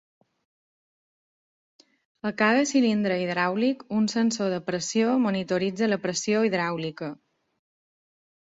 A cada cilindre hidràulic, un sensor de pressió monitoritza la pressió hidràulica.